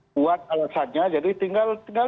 buat alasannya jadi tinggal